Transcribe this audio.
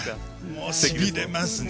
もうしびれますね